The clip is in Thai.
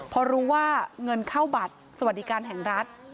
พอรู้ว่าเงินเข้าบัตรสวัสดิการแห่งรัฐ